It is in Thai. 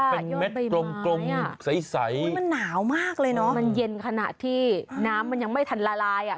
เป็นเม็ดกลมใสมันหนาวมากเลยเนอะมันเย็นขณะที่น้ำมันยังไม่ทันละลายอ่ะ